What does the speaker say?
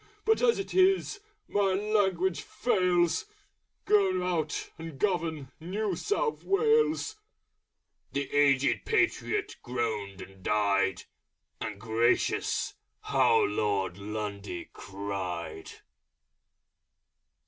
But as it is!... My language fails! Go out and govern New South Wales!" The Aged Patriot groaned and died: And gracious! how Lord Lundy cried!